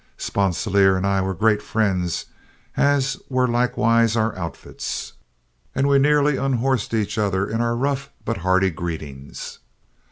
Sponsilier and I were great friends, as were likewise our outfits, and we nearly unhorsed each other in our rough but hearty greetings.